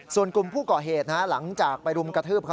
ส่วนกลุ่มผู้ก่อเหตุหลังจากไปรุมกระทืบเขา